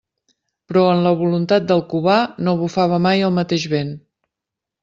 Però en la voluntat del Cubà no bufava mai el mateix vent.